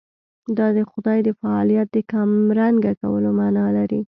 دا د خدای د فاعلیت د کمرنګه کولو معنا لري.